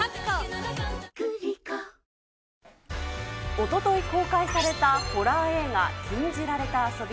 おととい公開されたホラー映画、禁じられた遊び。